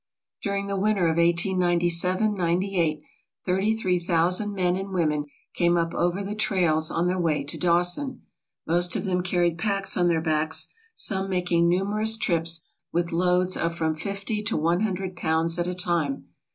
During the winter of 1897 98, thirty three thousand men and women came up over the trails on their way to Daw son. Most of them carried packs on their backs, some making numerous trips with loads of from fifty to one hundred pounds at a time.